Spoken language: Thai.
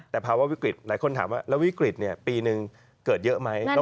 แต่ภาวะวิกฤตหลายคนถามว่าแล้ววิกฤตปีหนึ่งเกิดเยอะไหม